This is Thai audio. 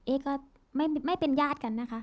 ก็ไม่เป็นญาติกันนะคะ